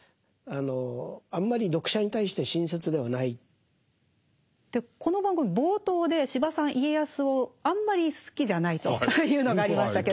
そうするとこの番組冒頭で司馬さん家康をあんまり好きじゃないというのがありましたけども。